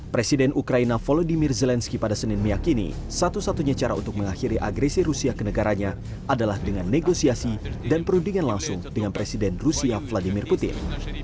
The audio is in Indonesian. presiden ukraina volodymyr zelensky pada senin meyakini satu satunya cara untuk mengakhiri agresi rusia ke negaranya adalah dengan negosiasi dan perundingan langsung dengan presiden rusia vladimir putin